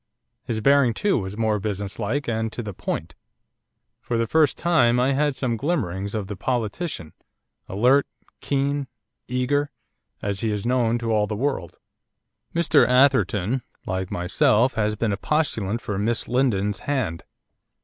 His bearing, too, was more businesslike and to the point. For the first time I had some glimmerings of the politician, alert, keen, eager, as he is known to all the world. 'Mr Atherton, like myself, has been a postulant for Miss Lindon's hand.